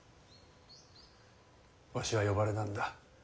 わしは呼ばれなんだ。